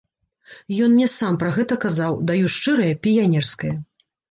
Ён мне сам пра гэта казаў, даю шчырае піянерскае.